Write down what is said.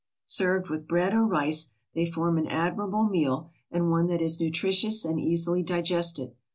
Served with bread or rice, they form an admirable meal and one that is nutritious and easily digested.